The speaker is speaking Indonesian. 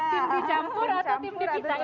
tim dicampur atau tim dipitanya